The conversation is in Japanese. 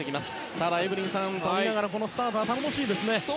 ただ、エブリンさん富永のスタート頼もしいですね。